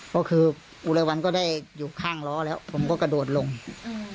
ก็คืออุไรวันก็ได้อยู่ข้างล้อแล้วผมก็กระโดดลงอืม